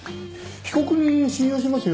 被告人信用しますよ